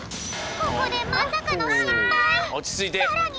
ここでまさかのさらに。